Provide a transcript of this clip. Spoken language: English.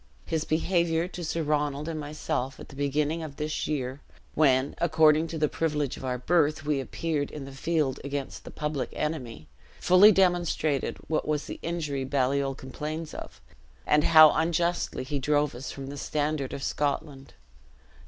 His behavior to Sir Ronald and myself at the beginning of this year, when, according to the privilege of our birth, we appeared in the field against the public enemy, fully demonstrated what was the injury Baliol complains of, and how unjustly he drove us from the standard of Scotland.